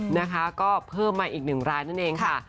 นะคะก็เพิ่มมาอีกหนึ่งรายนั่นเองค่ะ